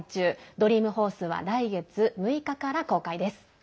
「ドリーム・ホース」は来月６日から公開です。